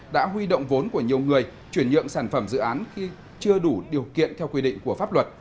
đã huy động vốn của nhiều người chuyển nhượng sản phẩm dự án khi chưa đủ điều kiện theo quy định của pháp luật